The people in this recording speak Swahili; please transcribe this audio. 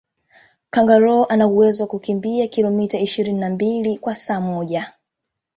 kangaroo anawezo kukimbia kilometa ishirini na mbili kwa saa moja